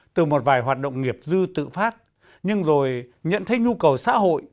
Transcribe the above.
từ một vài hoạt động nghiệp dư tự phát nhưng rồi nhận thấy nhu cầu xã hội